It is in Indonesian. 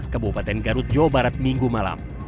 kebupaten garut jawa barat minggu malam